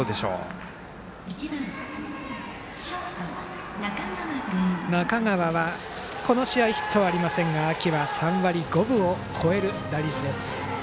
打席の中川はこの試合ヒットがありませんが秋は３割５分を超える打率です。